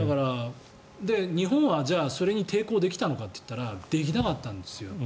日本はじゃあそれに抵抗できたのかというとできなかったんですよ。